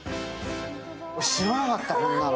知らなかった、こんなの。